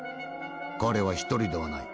彼は１人ではない。